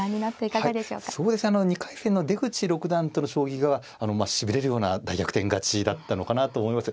そうですね２回戦の出口六段との将棋がしびれるような大逆転勝ちだったのかなと思いますね。